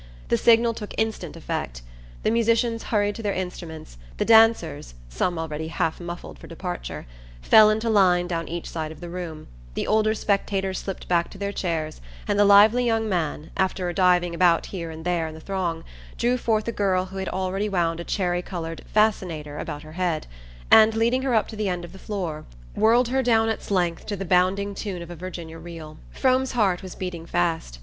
The signal took instant effect. The musicians hurried to their instruments, the dancers some already half muffled for departure fell into line down each side of the room, the older spectators slipped back to their chairs, and the lively young man, after diving about here and there in the throng, drew forth a girl who had already wound a cherry coloured "fascinator" about her head, and, leading her up to the end of the floor, whirled her down its length to the bounding tune of a Virginia reel. Frome's heart was beating fast.